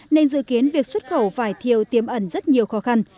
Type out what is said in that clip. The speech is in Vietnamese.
nên dự kiến việc xuất khẩu vải thiều tiêm ẩn rất nhiều khó khăn